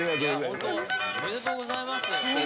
本当おめでとうございます。